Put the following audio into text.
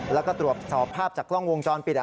แล้วก็ตรวจสอบภาพจากกล้องวงจรปิด